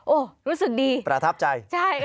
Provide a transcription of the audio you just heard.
โอ๊ยรู้สึกดีใช่ค่ะประทับใจ